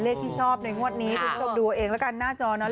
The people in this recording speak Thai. เลขที่ชอบในงวดนี้คุณต้องดูเองแล้วกันหน้าจอเนาะ